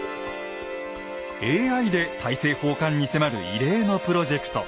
ＡＩで大政奉還に迫る異例のプロジェクト。